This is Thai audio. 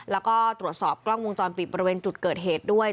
แล้วก็ตรวจสอบกล้องวงจรปิดบริเวณจุดเกิดเหตุด้วย